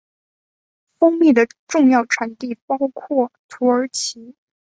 蜂蜜的重要产地包括土耳其。